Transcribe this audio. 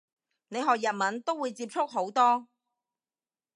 你學日文都會接觸好多